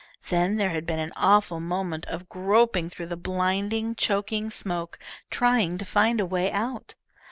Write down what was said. Then there had been an awful moment of groping through the blinding, choking smoke, trying to find a way out.